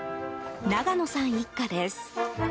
永野さん一家です。